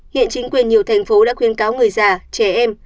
hiện chính quyền nhiều thành phố đã khuyến cáo người già trẻ em